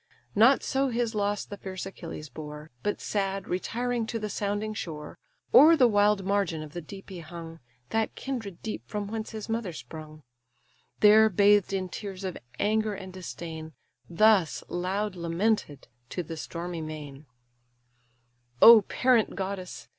Not so his loss the fierce Achilles bore; But sad, retiring to the sounding shore, O'er the wild margin of the deep he hung, That kindred deep from whence his mother sprung: There bathed in tears of anger and disdain, Thus loud lamented to the stormy main: "O parent goddess!